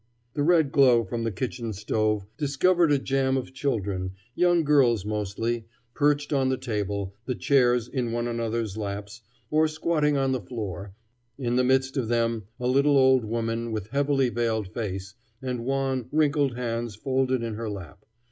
The red glow from the kitchen stove discovered a jam of children, young girls mostly, perched on the table, the chairs, in one another's laps, or squatting on the floor; in the midst of them, a little old woman with heavily veiled face, and wan, wrinkled hands folded in her lap.